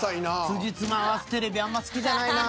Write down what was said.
辻褄合わすテレビあんま好きじゃないなぁ。